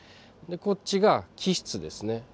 こっちが基質ですね。